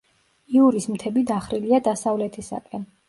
იურის მთები დახრილია დასავლეთისაკენ.